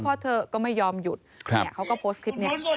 เพราะเธอเพราะเธอก็ไม่ยอมหยุดครับเนี่ยเขาก็โพสต์คลิปนี้